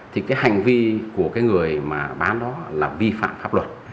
thì cái hành vi của cái người mà bán đó là vi phạm pháp luật